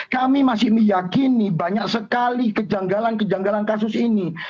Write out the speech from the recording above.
kami masih meyakini banyak sekali kejanggalan kejanggalan kasus ini